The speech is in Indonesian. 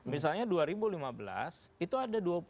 misalnya dua ribu lima belas itu ada dua puluh